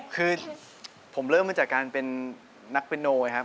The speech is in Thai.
คือผมเริ่มมาจากการเป็นนักเป็นโนยครับ